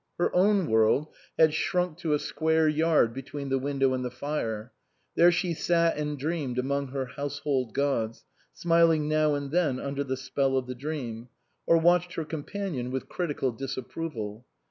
Her own world had shrunk to a square yard between the window and the fire. There she sat and dreamed among her household gods, smiling now and then under the spell of the dream, or watched her com panion with critical disapproval.